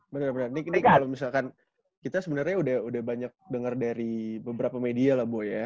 bener bener ini kalau misalkan kita sebenarnya udah banyak dengar dari beberapa media lah bu ya